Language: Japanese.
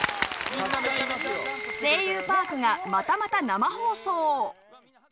『声優パーク』がまたまた生放送！